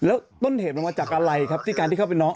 แล้วต้นเหตุมันมาจากอะไรครับที่การที่เข้าไปน้อง